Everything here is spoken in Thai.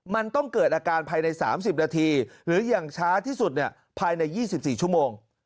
มันต้องเกิดอาการภายใน๓๐นาทีหรืออย่างช้าที่สุดภายใน๒๔ชั่วโมง